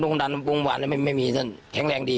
โรคคมดันรมวงบ้านไม่มีแข็งแรงดี